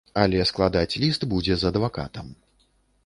Але складаць ліст будзе з адвакатам.